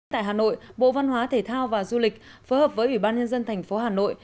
tại hà nội bộ văn hóa thể thao và du lịch phối hợp với ủy ban nhân dân thành phố hà nội